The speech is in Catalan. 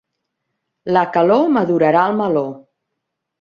La calor madurarà el meló.